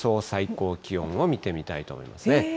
最高気温を見てみたいと思いますね。